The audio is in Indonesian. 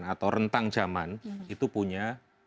atau rentang zaman itu punya